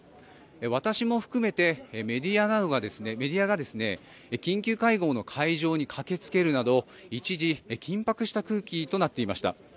私も含めてメディアが緊急会合の会場に駆けつけるなど一時、緊迫した空気となっていました。